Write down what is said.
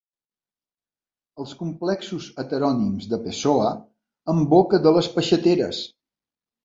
Els complexos heterònims de Pessoa en boca de les peixateres!